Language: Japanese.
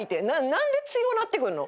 何で強なってくるの？